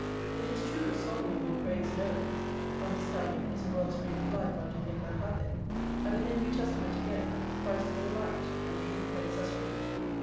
It is true, Solomon will praise knowing: "Understanding is a well spring of life unto him that hath it."+ And in the New Testament, again, Christ is a "light,"+ and "truth makes us free."